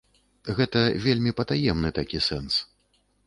Гэта вельмі патаемны такі сэнс.